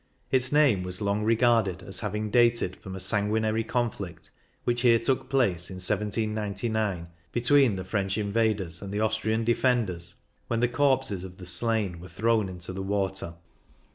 Its name was long regarded as having dated from a san guinary conflict which here took place in 1799 between the French invaders and the Austrian defenders, when the corpses of the slain were thrown into the water.